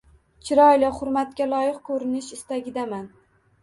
Chiroyli, hurmatga loyiq koʻrinish istagidaman